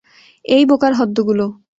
এই বোকার হদ্দগুলো।